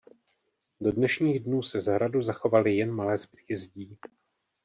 Do dnešních dnů se z hradu zachovaly jen malé zbytky zdí.